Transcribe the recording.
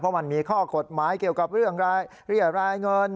เพราะมันมีข้อกฎหมายเกี่ยวกับเรื่องเรียรายเงิน